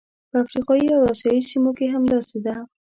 په افریقایي او اسیايي سیمو کې همداسې ده.